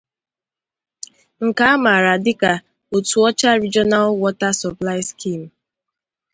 nke a maara dịka 'Otuocha Regional Water Supply Scheme'.